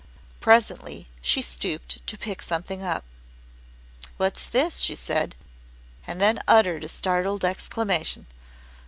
Presently she stooped to pick something up. "What's this," she said, and then uttered a startled exclamation.